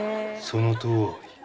そのとおり。